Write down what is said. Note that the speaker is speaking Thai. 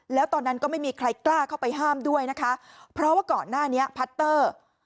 แล้วตอนนั้นก็ไม่มีใครกล้าเข้าไปห้ามด้วยนะคะเพราะว่าก่อนหน้านี้พัตเตอร์